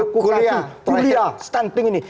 kuliah stunting ini